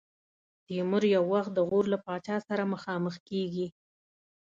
تیمور یو وخت د غور له پاچا سره مخامخ کېږي.